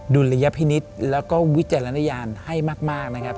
ดุลยพินิษฐ์แล้วก็วิจารณญาณให้มากนะครับ